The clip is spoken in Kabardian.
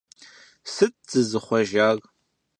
Сыт зызыхъуэжар?